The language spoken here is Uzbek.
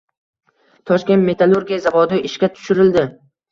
Toshkent metallurgiya zavodi ishga tushirildi